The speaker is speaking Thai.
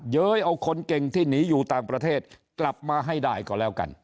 เย้ยเอาคนเก่งที่หนีอยู่ต่างประเทศกลับมาให้ได้ก็แล้วกัน